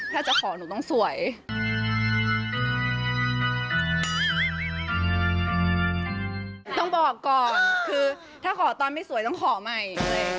ต้องบอกก่อนคือถ้าขอตอนไม่สวยต้องขอใหม่